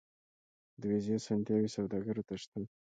د ویزې اسانتیاوې سوداګرو ته شته